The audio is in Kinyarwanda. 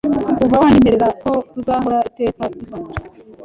kuva wanyemererako tuzahora iteka dusangira